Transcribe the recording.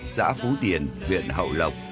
xã phú tiền huyện hậu lộc